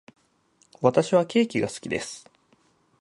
私はケーキが好きです。